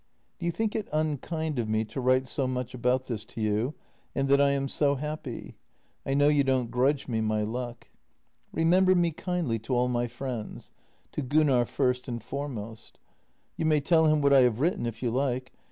" Do you think it unkind of me to write so much about this to you and that I am so happy? I know you don't grudge me my luck. " Remember me kindly to all my friends — to Gunnar first and foremost. You may tell him what I have written if you like.